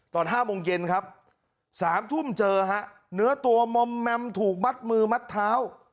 ตอน๕โมงเย็นครับ๓ทุ่มเจอฮะเนื้อตัวมอมแมมถูกมัดมือมัดเท้า